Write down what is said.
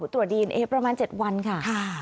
ตรวจดีเอนเอประมาณ๗วันค่ะ